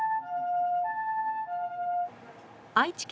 愛知県